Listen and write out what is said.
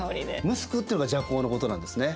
ムスクっていうのが麝香のことなんですね。